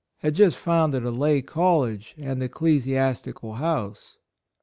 41 had just founded a lay college and ecclesiastical house.